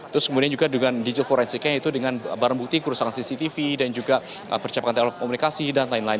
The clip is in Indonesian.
terus kemudian juga dengan digital forensiknya itu dengan barang bukti kursangan cctv dan juga percapaian telepon komunikasi dan lain lain